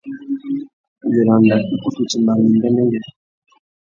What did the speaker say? Wiranda i kutu timba mí ndêndêngüê.